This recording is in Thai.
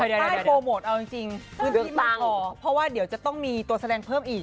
ป้ายโปรโมทเอาจริงพื้นที่บางบ่อเพราะว่าเดี๋ยวจะต้องมีตัวแสดงเพิ่มอีก